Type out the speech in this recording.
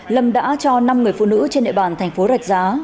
lâm đã cho năm người phụ nữ trên địa bàn thành phố rạch giá